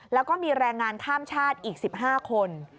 แล้วก็มีแรงงานข้ามชาติอีก๑๕คน